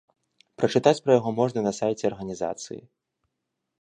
Прачытаць пра яго можна на сайце арганізацыі.